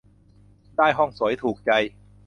ได้ห้องสวยถูกใจ